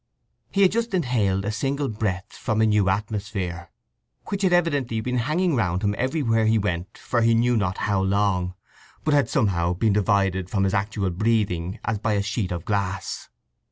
He had just inhaled a single breath from a new atmosphere, which had evidently been hanging round him everywhere he went, for he knew not how long, but had somehow been divided from his actual breathing as by a sheet of glass.